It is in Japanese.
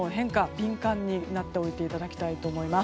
敏感になっておいていただきたいと思います。